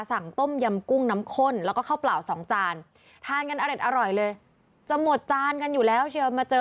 สั่งต้มยำกุ้งน้ำข้นแล้วก็ข้าวเปล่าสองจานทานกันอเด็ดอร่อยเลยจะหมดจานกันอยู่แล้วเชียวมาเจอ